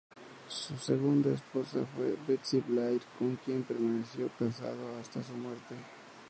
Su segunda esposa fue Betsy Blair, con quien permaneció casado hasta su muerte.